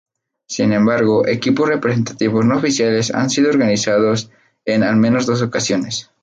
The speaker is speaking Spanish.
Sin embargo, equipos representativos no oficiales han sido organizados en al menos dos ocasiones.